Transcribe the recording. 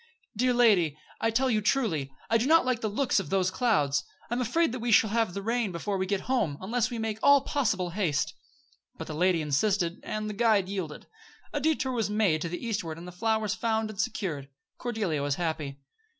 "Dear lady I tell you, truly, I do not like the looks of those clouds. I'm afraid we shall have rain before we get home, unless we make all possible haste." But the lady insisted; and the guide yielded. A detour was made to the eastward and the flowers found and secured. Cordelia was happy.